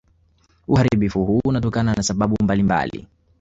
Uharibifu huu unatokana na sababu mbalimbali